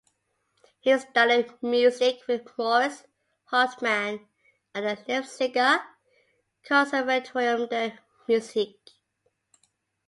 He studied music with Moritz Hauptmann at the Leipziger Conservatorium der Musik.